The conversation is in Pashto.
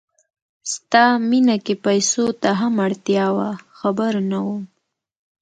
ستا مینه کې پیسو ته هم اړتیا وه خبر نه وم